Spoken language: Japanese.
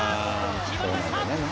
決まりました！